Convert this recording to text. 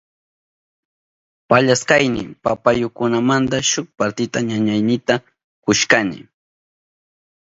Pallashkayni papayukunamanta shuk partita ñañaynita kushkani.